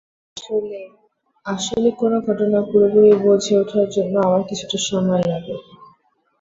আসলে, আসলে কোন ঘটনা পুরোপুরি বুঝে উঠার জন্য আমার কিছুটা সময় লাগে।